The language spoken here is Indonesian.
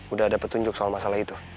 udah ada petunjuk soal masalah itu